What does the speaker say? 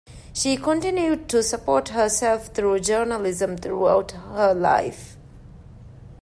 She continued to support herself through journalism throughout her life.